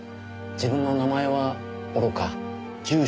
自分の名前はおろか住所